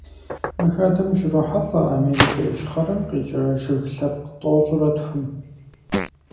Мы хадэм ущрохьэлӀэ Америкэ Ищхъэрэм къикӀа жыг лъэпкъ тӏощӏрэ тхум.